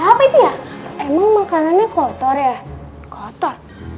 suara apik ya emang makanannya kotor ya kotor